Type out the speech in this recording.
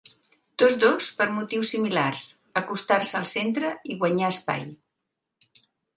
Tots dos per motius similars, acostar-se al centre i guanyar espai.